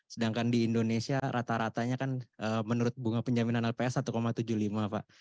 sedangkan di indonesia rata ratanya kan menurut bunga penjaminan lps satu tujuh puluh lima pak